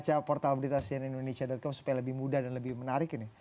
untuk sebuah portal berita sianindonesia com supaya lebih mudah dan lebih menarik ini